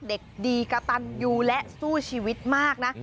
เด็กดีกระตันยูและสู้ชีวิตมากนะ